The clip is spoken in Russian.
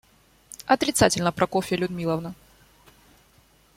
Отрицательно, Прокофья Людмиловна.